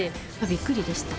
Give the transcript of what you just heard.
びっくりでした。